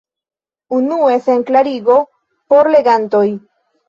Unue sen klarigo por legantoj.